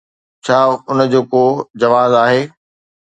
ڇا ان جو ڪو جواز آهي؟